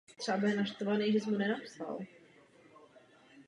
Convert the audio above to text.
Vystudoval v Praze gymnázium a České vysoké učení technické.